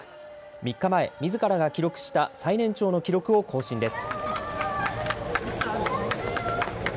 ３日前、みずからが記録した最年長の記録を更新です。